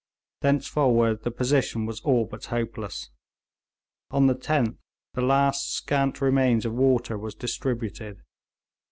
Thenceforward the position was all but hopeless. On the 10th the last scant remains of water was distributed.